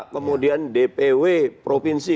kemudian dpw provinsi